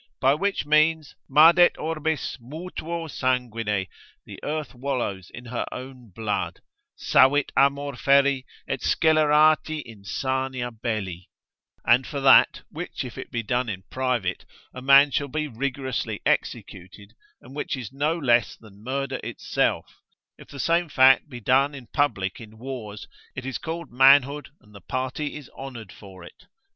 By which means, Madet orbis mutuo sanguine, the earth wallows in her own blood, Savit amor ferri et scelerati insania belli; and for that, which if it be done in private, a man shall be rigorously executed, and which is no less than murder itself; if the same fact be done in public in wars, it is called manhood, and the party is honoured for it.